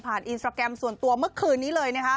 อินสตราแกรมส่วนตัวเมื่อคืนนี้เลย